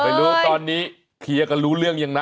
ไม่รู้ตอนนี้เคลียร์กันรู้เรื่องยังนะ